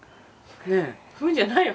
ねえふんじゃないよ。